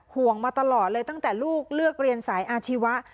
ห่วงมาตลอดเลยตั้งแต่ลูกเลือกเรียนสายอาชีวะ